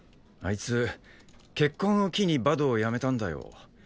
あいつ結婚を機にバドをやめたんだよ。